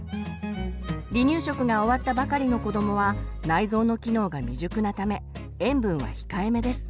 離乳食が終わったばかりの子どもは内臓の機能が未熟なため塩分は控えめです。